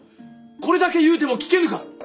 これだけ言うても聞けぬか。